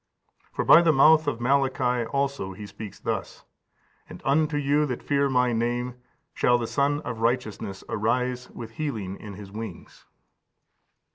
For by the mouth of Malachi also He speaks thus: "And unto you that fear my name shall the Sun of righteousness arise with healing in His wings."